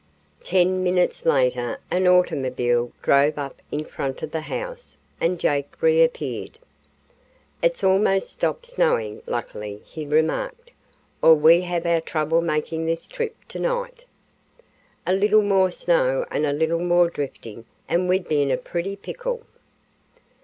Ten minutes later an automobile drove up in front of the house and Jake reappeared. "It's almost stopped snowing, luckily," he remarked, "or we'd have our troubles makin' this trip tonight. A little more snow and a little more drifting and we'd be in a pretty pickle."